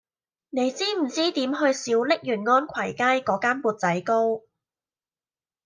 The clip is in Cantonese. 你知唔知點去小瀝源安群街嗰間缽仔糕